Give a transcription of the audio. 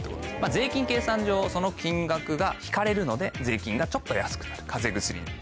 税金計算上その金額が引かれるので税金がちょっと安くなる。